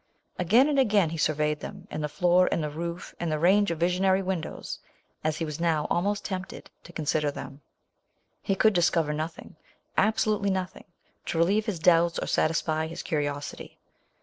Again and again he purveyed them — and the floor — and the roof — and that range of visionary windows, as he was now almost tempted to con sider them : he could discover no thing, absolutely nothing, to relieve hi* doubts or satisfy his curiosity.